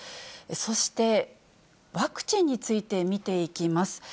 そして、ワクチンについて見ていきます。